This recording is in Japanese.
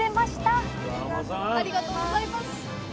ありがとうございます。